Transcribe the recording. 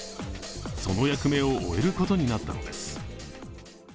その役目を終えることになったのです。